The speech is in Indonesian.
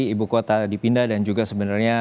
ibu kota dipindah dan juga sebenarnya